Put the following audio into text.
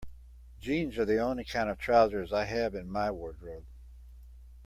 Jeans are the only kind of trousers I have in my wardrobe.